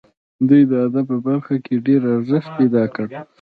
دوی د ادب په برخه کې ډېر ارزښت پیدا کړ.